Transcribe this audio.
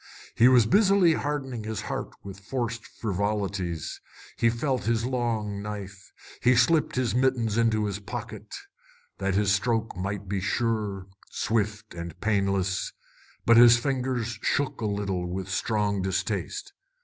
He was busily hardening his heart with forced frivolities. He felt his long knife. He slipped his mittens into his pocket that his stroke might be sure, swift, and painless, but his fingers shook a little with strong distaste.